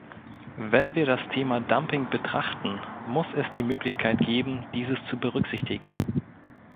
Wenn wir das Thema Dumping betrachten, muss es die Möglichkeit geben, dieses zu berücksichtigen.